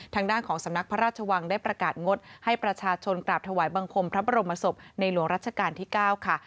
ทางด้านของสำนักพระราชวังได้ประกาศงดให้ประชาชนกราบถวายบังคมพระบรมศพในหลวงรัชกาลที่๙ค่ะ